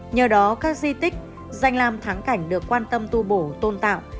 nhờ đó các di tích danh làm thắng cảnh được quan tâm tu bổ tôn tạo